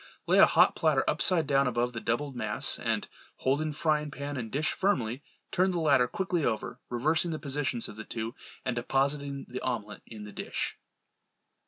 Lay a hot platter upside down above the doubled mass and holding frying pan and dish firmly, turn the latter quickly over, reversing the positions of the two, and depositing the omelette in the dish.